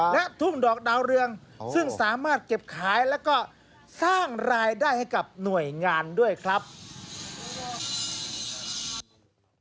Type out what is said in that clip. และทุ่งดอกดาวเรืองซึ่งสามารถเก็บขายแล้วก็สร้างรายได้ให้กับหน่วยงานด้วยครับ